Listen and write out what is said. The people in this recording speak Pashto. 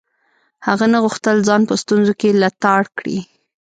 هغه نه غوښتل ځان په ستونزو کې لتاړ کړي.